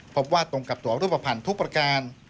พบว่าตรงกับตัวรูปภัณฑ์ทุกประการ